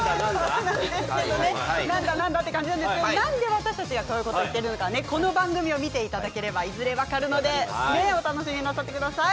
なんで私たちがこういうことを言っているのかはこの番組を見ていただければいずれ分かるのでお楽しみになさってください。